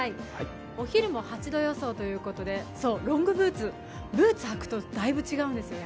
お昼も８度予想ということでロングブーツブーツ履くとだいぶ違うんですよ。